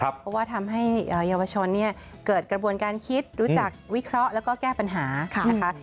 เพราะว่าทำให้เยาวชนเนี่ยเกิดกระบวนการคิดรู้จักวิเคราะห์แล้วก็แก้ปัญหานะคะ